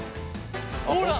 ほら。